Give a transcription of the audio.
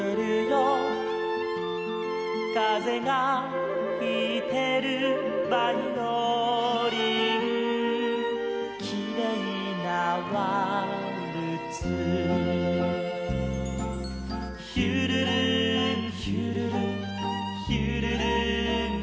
「かぜがひいてるバイオリン」「きれいなワルツ」「ひゅるるんひゅるるひゅるるんひゅるる」